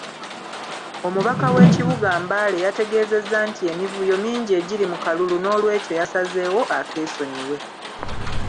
Omubaka w’ekibuga Mbale yategeezezza nti emivuyo mingi egiri mu kalulu n’olwekyo yasazeewo akeesonyiwe.